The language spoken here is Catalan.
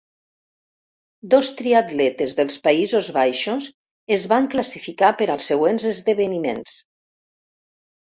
Dos triatletes dels Països Baixos es van classificar per als següents esdeveniments.